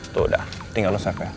tuh udah tinggal lo safe ya